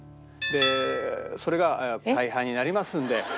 でそれが再販になりますんで。